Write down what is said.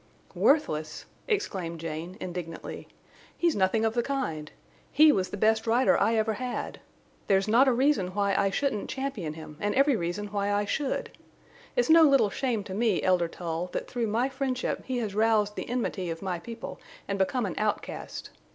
"Worthless!" exclaimed Jane, indignantly. "He's nothing of the kind. He was the best rider I ever had. There's not a reason why I shouldn't champion him and every reason why I should. It's no little shame to me, Elder Tull, that through my friendship he has roused the enmity of my people and become an outcast.